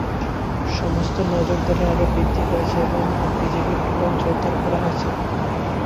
সীমান্তে নজরদারি আরও বৃদ্ধি করা হয়েছে এবং বিজিবির টহল জোরদার করা হয়েছে।